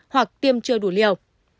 hoặc tiêm chưa đủ liều